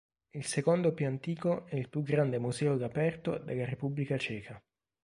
È il secondo più antico e il più grande museo all'aperto della Repubblica Ceca.